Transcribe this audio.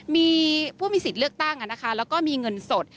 มีผู้มีสิทธิ์เลือกตั้งแล้วก็มีเงินสด